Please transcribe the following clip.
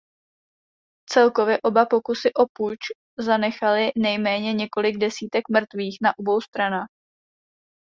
Celkově oba pokusy o puč zanechaly nejméně několik desítek mrtvých na obou stranách.